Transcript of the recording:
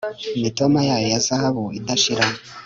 imitoma yayo ya zahabu idashira